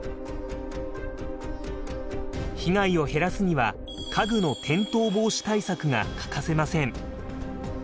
被害を減らすには家具の転倒防止対策が欠かせません。